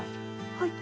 はい。